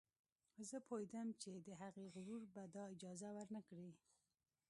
زه پوهېدم چې د هغې غرور به دا اجازه ور نه کړي